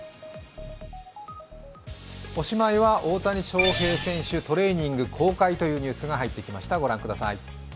おしまいは大谷翔平選手、トレーニング公開というニュースが入ってきました。